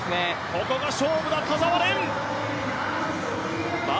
ここが勝負だ、田澤廉。